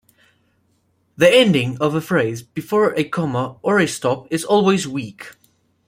The ending of a phrase, before a comma, or a stop, is always weak.